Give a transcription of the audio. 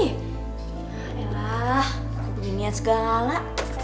yalah gue begini aja segala gala